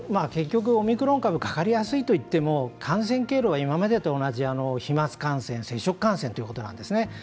結局、オミクロン株かかりやすいといっても感染経路が今までと同じ飛まつ感染接触感染ということなんですね。